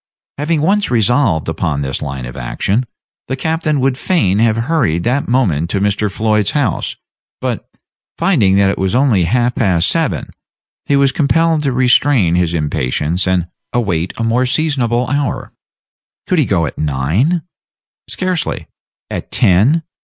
Having once resolved upon this line of action, the captain would fain have hurried that moment to Mr. Floyd's house; but, finding that it was only half past seven, he was compelled to restrain his impatience and await a more seasonable hour. Could he go at nine? Scarcely. At ten?